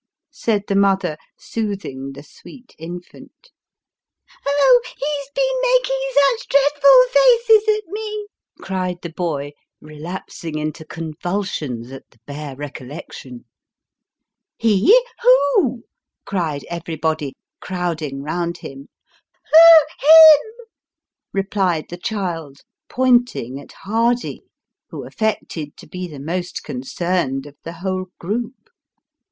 " said the mother, soothing the sweet infant. " Oh ! he's been making such dreadful faces at me," cried the boy, relapsing into convulsions at the bare recollection. 3OO Sketches by Boz. " He! who ?" cried everybody, crowding round him, " Oh ! him !" replied the child, pointing at Hardy, who affected to be the most concerned of the whole group.